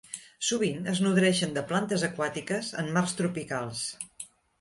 Sovint es nodreixen de plantes aquàtiques en mars tropicals.